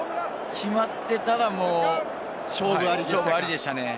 決まってたら勝負ありでした。